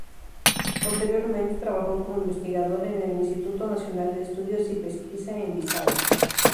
Posteriormente trabajó como investigador en el Instituto Nacional de Estudios y Pesquisa en Bisáu.